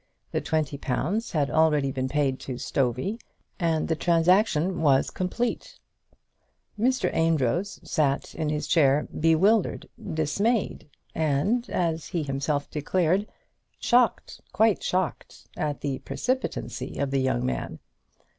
The twenty pounds had already been paid to Stovey, and the transaction was complete. Mr. Amedroz sat in his chair bewildered, dismayed and, as he himself declared, shocked, quite shocked, at the precipitancy of the young man.